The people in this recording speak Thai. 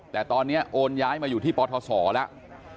แต่ตอนนี้โอนย้ายมาอยู่ที่ปทศแล้ว